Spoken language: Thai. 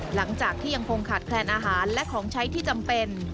ยังคงขาดแคลนอาหารและของใช้ที่จำเป็น